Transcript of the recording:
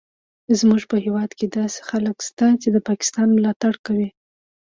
زموږ په هیواد کې داسې خلک شته چې د پاکستان ملاتړ کوي